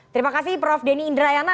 terima kasih prof denny indrayana